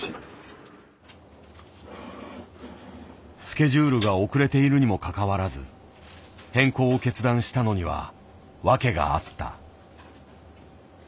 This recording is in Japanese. スケジュールが遅れているにもかかわらず変更を決断したのには訳があった。